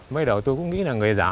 mới đầu tôi cũng nghĩ là người giả